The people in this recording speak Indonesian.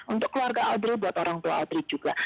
untuk keluarga audrey buat orang tua audrey juga